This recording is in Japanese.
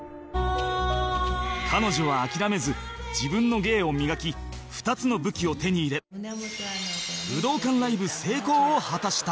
彼女は諦めず自分の芸を磨き２つの武器を手に入れ武道館ライブ成功を果たした